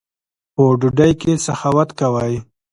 په ډوډۍ کښي سخاوت کوئ!